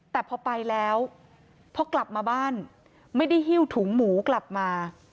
แต่พอไปแล้วพอกลับมาบ้านไม่ได้หิ้วถุงหมูกลับมา